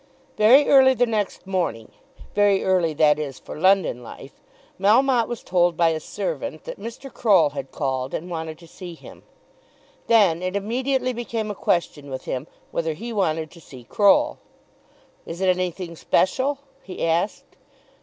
Very early the next morning, very early that is for London life, Melmotte was told by a servant that Mr. Croll had called and wanted to see him. Then it immediately became a question with him whether he wanted to see Croll. "Is it anything special?" he asked.